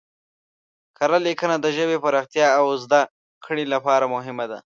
کره لیکنه د ژبې پراختیا او زده کړې لپاره مهمه ده.